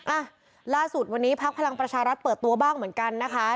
อ่ะล่าสุดวันนี้พักพลังประชารัฐเปิดตัวบ้างเหมือนกันนะคะ